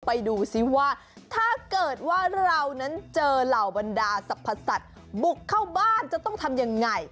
ไปดูซิว่าถ้าเกิดว่าเรานั้นเจอเหล่าบรรดาสรรพสัตว์บุกเข้าบ้านจะต้องทำยังไง